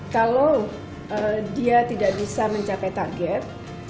kalau dia tidak bisa mencapai target